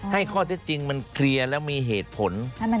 ให้ข้อเท็จจริงมันเคลียร์แล้วมีเหตุผล